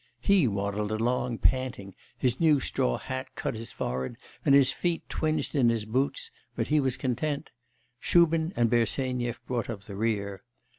He waddled along panting, his new straw hat cut his forehead, and his feet twinged in his boots, but he was content; Shubin and Bersenyev brought up the rear.